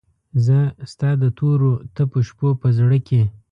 زه ستا دتوروتپوشپوپه زړه کې